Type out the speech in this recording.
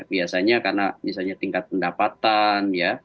biasanya karena misalnya tingkat pendapatan ya